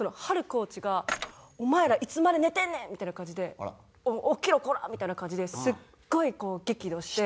コーチが「お前らいつまで寝てんねん！」みたいな感じで「起きろこら！」みたいな感じですっごい激怒して。